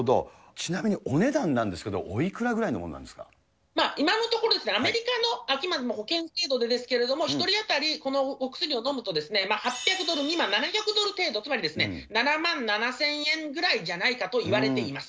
ちなみにお値段なんですけれども、今のところ、アメリカのあくまでも保険制度でですけれども、１人当たりこのお薬を飲むと８００ドル未満、７００ドル程度、つまり７万７０００円ぐらいじゃないかといわれています。